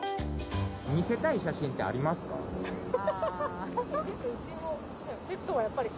見せたい写真ってありますか？